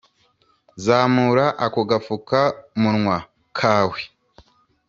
zamura ako gafuka munwa kawe